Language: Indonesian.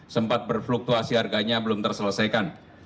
sempat berfluktuasi harganya belum terselesaikan